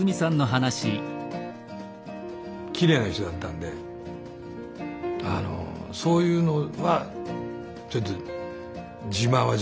きれいな人だったんでそういうのはちょっと自慢は自慢だったですねだから。